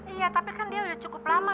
iya tapi kan dia sudah cukup lama